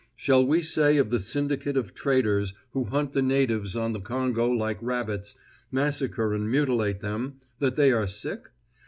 Shall we say of the syndicate of traders who hunt the natives on the Congo like rabbits, massacre and mutilate them, that they are sick?